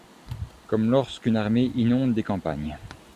Comme lorsqu'une armée inonde des campagnes